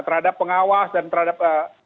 terhadap pengawas dan terhadap